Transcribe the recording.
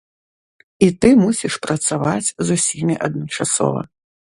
І ты мусіш працаваць з усімі адначасова.